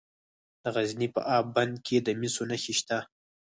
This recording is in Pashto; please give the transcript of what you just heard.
د غزني په اب بند کې د مسو نښې شته.